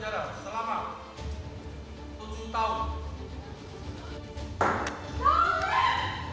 yang memutang dikulitkan itu